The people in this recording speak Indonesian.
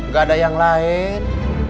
gak ada yang lain